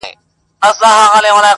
هر یوه خپل په وار راوړي بربادې وې دلته٫